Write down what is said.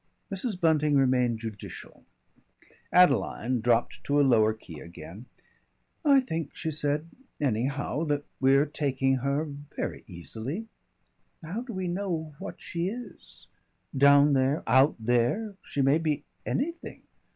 Mrs. Bunting remained judicial. Adeline dropped to a lower key again. "I think," she said, "anyhow, that we're taking her very easily. How do we know what she is? Down there, out there, she may be anything.